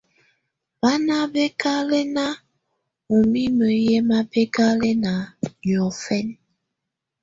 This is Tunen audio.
Bá ná bɛ́kálakɛná ú mimǝ́ yɛ́ mabɛkalɛna niɔ́fɛna.